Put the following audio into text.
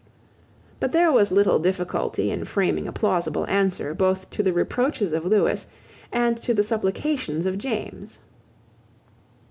But there was little difficulty in framing a plausible answer both to the reproaches of Lewis and to the supplications of James.